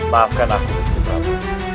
maafkan aku ibu